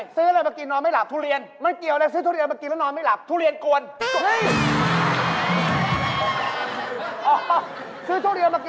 ใช่ทุเรียนกวนแล้วเรานอนหลับไหมทุเรียนกวน